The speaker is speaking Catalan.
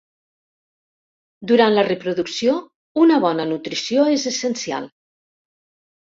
Durant la reproducció, una bona nutrició és essencial.